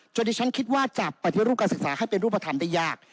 ที่ฉันคิดว่าจะปฏิรูปการศึกษาให้เป็นรูปธรรมได้ยาก